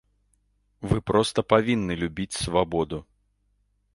Вы проста павінны любіць свабоду!